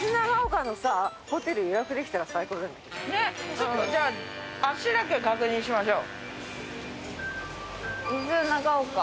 ちょっとじゃあ足だけ確認しましょう。